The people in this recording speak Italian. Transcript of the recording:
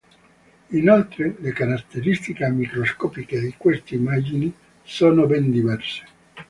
Inoltre le caratteristiche microscopiche di queste immagini sono ben diverse.